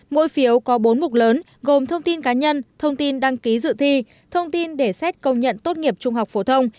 mỗi phiếu có bốn mục lớn gồm thông tin cá nhân thông tin đăng ký dự thi thông tin để xét công nhận tốt nghiệp trung học phổ thông